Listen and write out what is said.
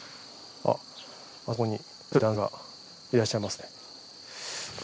あっあそこに１人男性がいらっしゃいますね。